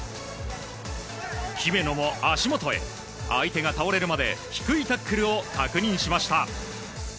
姫野も足元へ、相手が倒れるまで低いタックルを確認しました。